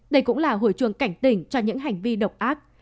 đây cũng là hồi chuồng cảnh tỉnh cho những hành vi độc ác